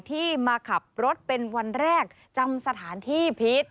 ที่มาขับรถเป็นวันแรกจำสถานที่ผิด